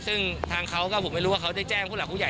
ซึ่งทางเขาก็ผมไม่รู้ว่าเขาได้แจ้งผู้หลักผู้ใหญ่